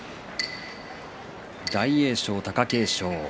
大栄翔、貴景勝